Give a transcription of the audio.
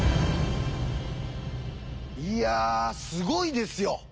いやすごいですよ。